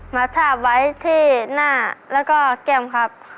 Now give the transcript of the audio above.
ทาบไว้ที่หน้าแล้วก็แก้มครับ